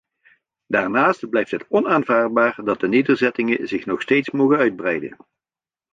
Daarnaast blijft het onaanvaardbaar dat de nederzettingen zich nog steeds mogen uitbreiden.